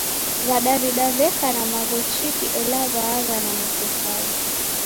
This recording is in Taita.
W'adaw'ida w'eka na magho chiki ela w'aagha na matofali